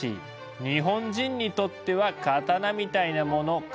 日本人にとっては刀みたいなものかもな！